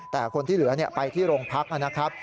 แต่คนที่เหลือไปที่โรงพักนะครับ